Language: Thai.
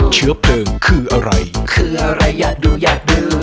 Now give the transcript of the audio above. เชื้อเพลิงคืออะไรคืออะไรอยากดูอยากดู